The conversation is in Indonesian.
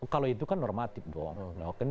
kalau itu kan normatif dong